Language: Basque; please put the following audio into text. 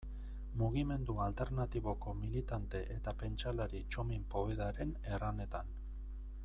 Mugimendu alternatiboko militante eta pentsalari Txomin Povedaren erranetan.